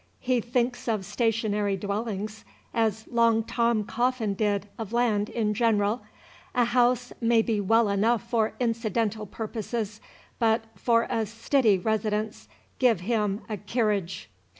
He thinks of stationary dwellings as Long Tom Coffin did of land in general; a house may be well enough for incidental purposes, but for a "stiddy" residence give him a "kerridge."